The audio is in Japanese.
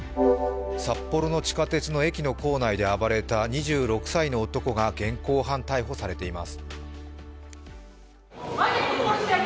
札幌の地下鉄の駅の構内で暴れた２６歳の男が現行犯逮捕されています。